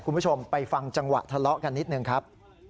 คุณผู้ชมไปฟังจังหวะทะเลาะกันนิดหนึ่งครับ